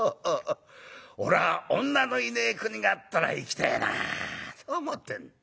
俺は女のいねえ国があったら行きてえなあと思ってんだ」。